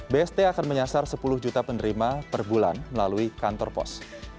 bst akan menyasar sepuluh juta penerima per bulan melalui kantor pos